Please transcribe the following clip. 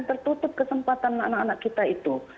tertutup kesempatan anak anak kita itu